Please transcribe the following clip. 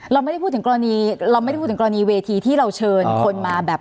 เราไม่ได้พูดถึงกรณีเวทีที่เราเชิญคนมาแบบ